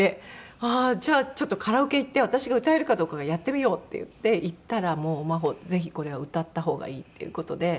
あっじゃあちょっとカラオケ行って私が歌えるかどうかやってみようっていって行ったらもう「真帆ぜひこれは歌った方がいい」っていう事で。